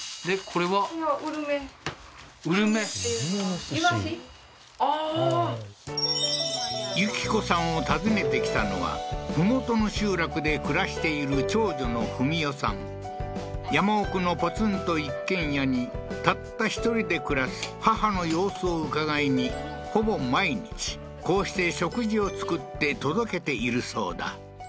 これはうるめうるめっていうのはああー順子さんを訪ねてきたのは麓の集落で暮らしている長女の富美代さん山奥のポツンと一軒家にたった１人で暮らす母の様子を伺いにほぼ毎日こうして食事を作って届けているそうだ